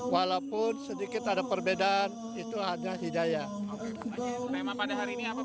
walaupun sedikit ada perbedaan itu ada hidayah